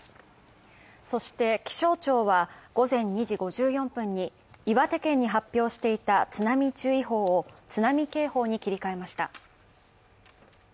そして、気象庁は午前２時５４分に岩手県に発表していた津波注意報を津波警報に切り替えました。